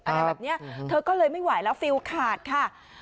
อะไรแบบนี้เธอก็เลยไม่ไหวแล้วฟิลขาดค่ะ